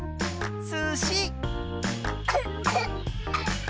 すし！